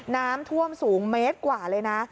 น้ำท่วมสูงเมตรกว่าเลยนะ